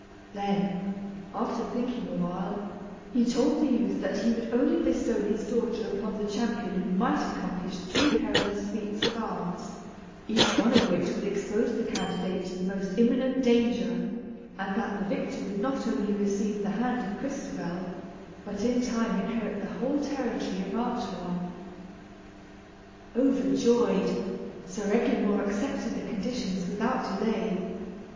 Then, after thinking a while, he told the youth that he would only bestow his daughter upon the champion who might accomplish three perilous feats of arms, each one of which would expose the candidate to the most imminent danger; and that the victor should not only receive the hand of Crystabell, but in time inherit the whole territory of Artois. Overjoyed, Sir Eglamour accepted the conditions without delay.